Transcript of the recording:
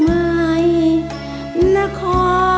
ไม่ใช้ค่ะ